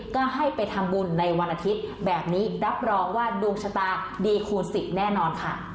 ก็ให้ไปทำบุญในวันอาทิตย์แบบนี้รับรองว่าดวงชะตาดีคูณ๑๐แน่นอนค่ะ